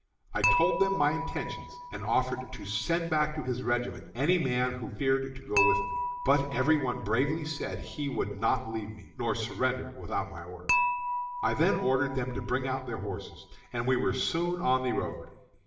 I told them my intentions, and offered to send back to his regiment any man who feared to go with me. But every one bravely said he would not leave me, nor surrender without my order. I then ordered them to bring out their horses, and we were soon on the road.